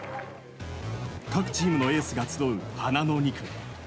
各チームのエースが集う花の２区。